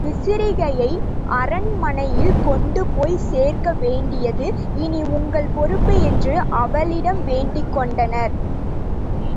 விரிசிகையை அரண்மனையில் கொண்டுபோய்ச் சேர்க்க வேண்டியது, இனி உங்கள் பொறுப்பு என்று அவளிடம் வேண்டிக்கொண்டனர்.